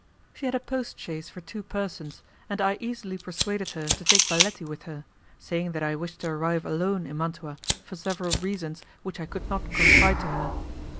She had a post chaise for two persons, and I easily persuaded her to take Baletti with her, saying that I wished to arrive alone in Mantua for several reasons which I could not confide to her.